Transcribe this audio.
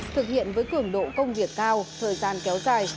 thực hiện với cường độ công việc cao thời gian kéo dài